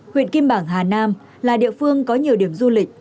huyện kim bảng hà nam là địa phương có nhiều điểm du lịch